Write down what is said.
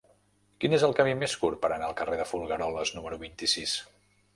Quin és el camí més curt per anar al carrer de Folgueroles número vint-i-sis?